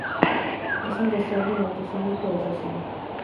Es un desorden autosómico recesivo.